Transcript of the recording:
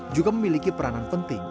juga memiliki peranan penting